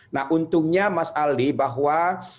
nah untungnya mas ali bahwa